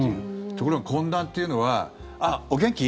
ところが、懇談というのはあっ、お元気？